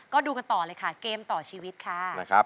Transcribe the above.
ก็ดูกันต่อเลยค่ะเกมต่อชีวิตค่ะ